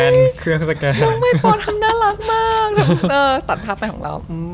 แต่ตัดภาพเป็นของเรา